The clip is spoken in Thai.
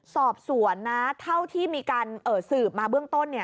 สอบสวนนะเท่าที่มีการสืบมาเบื้องต้น